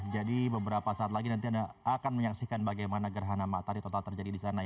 jadi beberapa saat lagi nanti anda akan menyaksikan bagaimana gerhana matahari total terjadi di sana